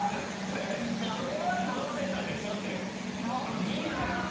「それは直せたでしょ」って。